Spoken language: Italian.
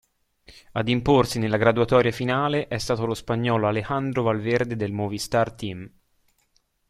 Ad imporsi nella graduatoria finale è stato lo spagnolo Alejandro Valverde del Movistar Team.